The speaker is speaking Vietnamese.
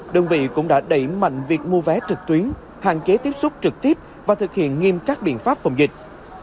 đơn vị cũng đã đẩy mạnh việc mua vé trực tuyến hạn chế tiếp xúc trực tiếp và thực hiện nghiêm các biện pháp phòng dịch